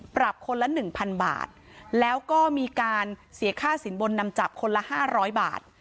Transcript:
ปรับคนละ๑๐๐บาทแล้วก็มีการเสียค่าสินบนนำจับคนละ๕๐๐บาท